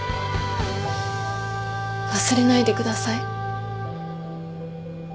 忘れないでください。